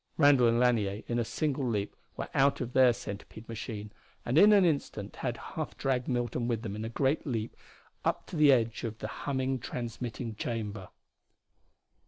Randall and Lanier in a single leap were out of the centipede machine, and in an instant had half dragged Milton with them in a great leap up to the edge of the humming transmitting chamber.